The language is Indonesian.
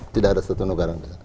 tidak ada satu negara